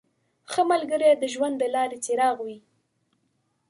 • ښه ملګری د ژوند د لارې څراغ وي.